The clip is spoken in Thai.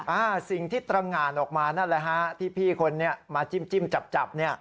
อ่ะสิ่งที่ตรังหาดออกมานั่นอะวะฮะที่พี่คนเนี่ยมาจิ้มจับเนี่ย